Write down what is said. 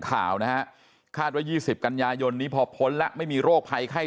ข่าวนะฮะคาดว่า๒๐กันยายนนี้พอพ้นแล้วไม่มีโรคภัยไข้